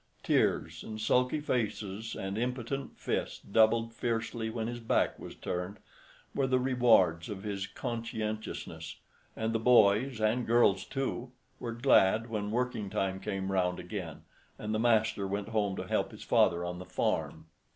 Tears and sulky faces, and impotent fists doubled fiercely when his back was turned, were the rewards of his conscientiousness; and the boys—and girls too—were glad when working time came round again, and the master went home to help his father on the farm.